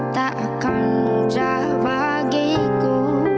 tak akan jahat bagiku